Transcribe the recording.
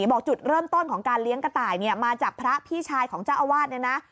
บอกจุดเริ่มต้นของการเลี้ยงกระต่ายมาจากพระพี่ชายของเจ้าอาวาสเนี่ยนะ